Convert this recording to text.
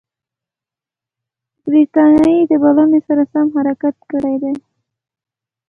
برټانیې د بلنې سره سم حرکت کړی دی.